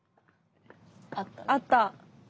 あった。